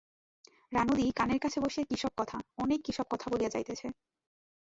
রানুদি কানের কাছে বসিয়া কি সব কথা, অনেক কি সব কথা বলিয়া যাইতেছে।